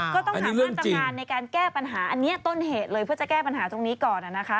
ก็ต้องหามาตรการในการแก้ปัญหาอันนี้ต้นเหตุเลยเพื่อจะแก้ปัญหาตรงนี้ก่อนนะคะ